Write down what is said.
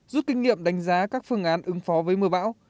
rút kinh nghiệm đánh giá các phương án ứng phó với mưa bão